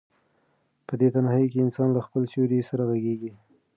په دې تنهایۍ کې انسان له خپل سیوري سره غږېږي.